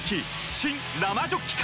新・生ジョッキ缶！